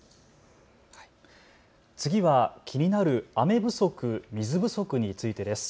次は気になる雨不足、水不足についてです。